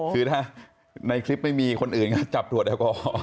คือถ้าในคลิปไม่มีคนอื่นก็จับตรวจแอลกอฮอล